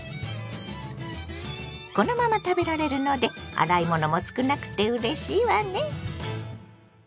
このまま食べられるので洗い物も少なくてうれしいわね。